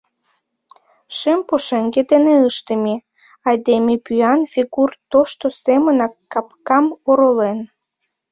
Шем пушеҥге дене ыштыме, айдеме пӱян фигур тошто семынак капкам оролен.